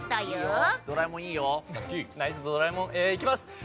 いきます。